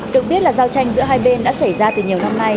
được biết là giao tranh giữa hai bên đã xảy ra từ nhiều năm nay